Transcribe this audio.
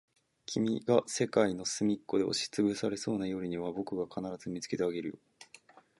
君が世界のすみっこで押しつぶされそうな夜には、僕が必ず見つけてあげるよ。